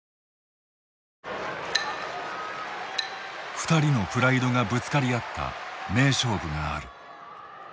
２人のプライドがぶつかり合った名勝負がある。